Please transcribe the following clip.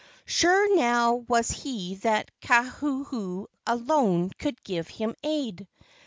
Sure now was he that Kauhuhu alone could give him aid.